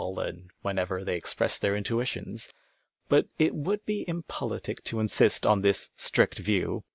e., wjiile and whenever they express their intuitions. But it would be impolitic to insist on this strict view.